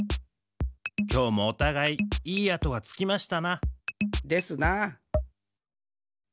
きょうもおたがいいい跡がつきましたな。ですな。